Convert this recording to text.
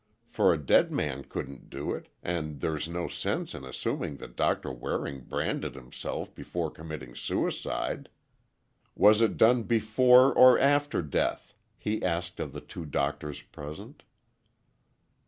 For a dead man couldn't do it, and there's no sense in assuming that Doctor Waring branded himself before committing suicide. Was it done before or after death?" he asked of the two doctors present.